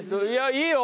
いいよ！